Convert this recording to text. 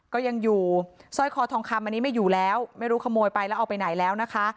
ก็ยังอยู่สร้อยคอทองคำอันนี้ไม่อยู่แล้วไม่รู้ขโมยไปแล้วเอาไปไหนแล้วนะคะ